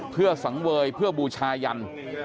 เพื่อสังเวยเพื่อบูชายัน